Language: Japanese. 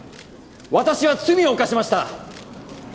私は罪を犯しました。